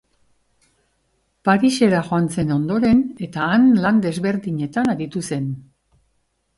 Parisera joan zen ondoren eta han lan desberdinetan aritu zen.